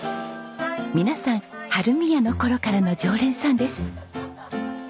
皆さん春見屋の頃からの常連さんです。